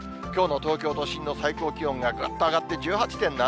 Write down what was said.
きょうの東京都心の最高気温がぐっと上がって１８．７度。